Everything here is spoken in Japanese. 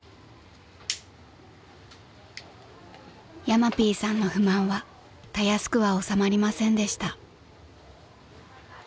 ［ヤマピーさんの不満はたやすくは収まりませんでした］